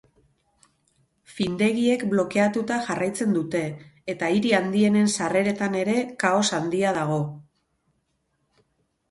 Findegiek blokeatuta jarraitzen dute, eta hiri handienen sarreretan ere kaos handia dago.